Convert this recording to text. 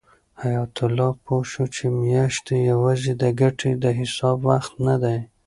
حیات الله پوه شو چې میاشتې یوازې د ګټې د حساب وخت نه دی.